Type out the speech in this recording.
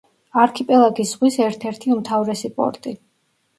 არქიპელაგის ზღვის ერთ-ერთი უმთავრესი პორტი.